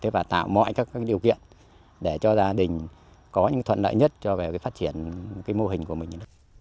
và tạo mọi các điều kiện để cho gia đình có những thuận lợi nhất cho về phát triển cái mô hình của mình